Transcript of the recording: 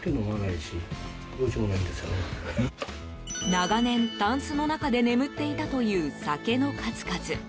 長年、タンスの中で眠っていたという酒の数々。